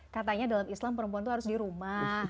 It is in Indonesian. katanya dalam islam perempuan itu harus di rumah